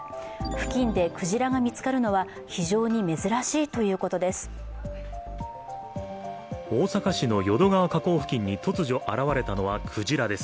付近でクジラが見つかるのは非常に珍しいということです。